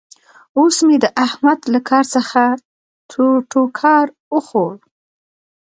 اوس مې د احمد له کار څخه ټوکار وخوړ.